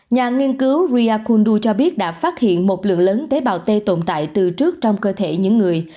nhà nghiên cứu riyakundu cho biết đã phát hiện một lượng lớn tế bào t tồn tại từ trước trong cơ thể những người